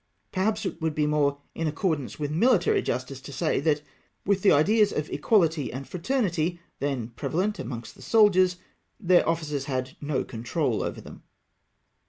Perhaps it would be more in accordance with mihtary justice to say, that with the ideas of equality and fraternity then prevalent amongst the soldiers, their officers had no control over them.